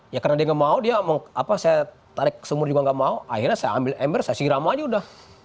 ya karena dia nggak mau dia saya tarik sumur juga nggak mau akhirnya saya ambil ember saya siram aja udah